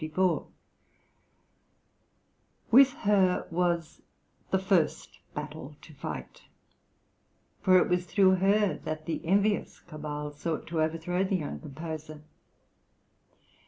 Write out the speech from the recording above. With her was "the first battle to fight," for it was through her that the envious cabal sought to overthrow the young composer.